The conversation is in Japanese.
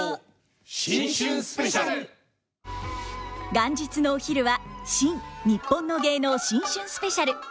元日のお昼は「新・にっぽんの芸能新春スペシャル」。